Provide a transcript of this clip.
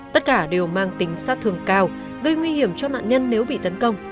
tất cả đều mang tính sát thường cao gây nguy hiểm cho nạn nhân nếu bị tấn công